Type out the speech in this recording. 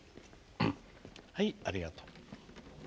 はいありがとう。